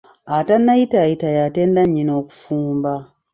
Atannayitaayita, y'atenda nnyina okufumba.